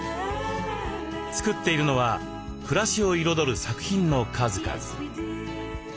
作っているのは暮らしを彩る作品の数々。